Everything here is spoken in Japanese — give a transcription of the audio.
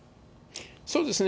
そうですね。